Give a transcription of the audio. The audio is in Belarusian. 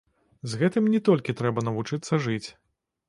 З гэтым не толькі трэба навучыцца жыць.